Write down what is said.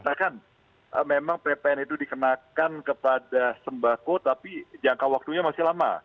katakan memang ppn itu dikenakan kepada sembako tapi jangka waktunya masih lama